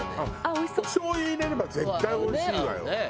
お醤油入れれば絶対おいしいわよ。